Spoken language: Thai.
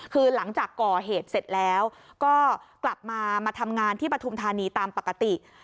คือหลังจากก่อเหตุเสร็จแล้วก็กลับมามาทำงานที่ปฐุมธานีตามปกติ